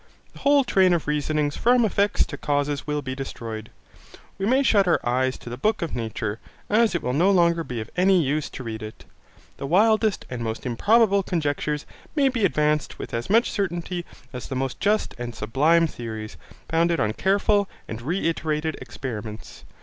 The whole train of reasonings from effects to causes will be destroyed. We may shut our eyes to the book of nature, as it will no longer be of any use to read it. The wildest and most improbable conjectures may be advanced with as much certainty as the most just and sublime theories, founded on careful and reiterated experiments.